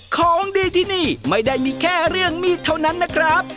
ของดีที่นี่ไม่ได้มีแค่เรื่องมีดเท่านั้นนะครับ